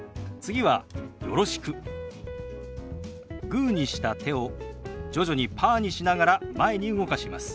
グーにした手を徐々にパーにしながら前に動かします。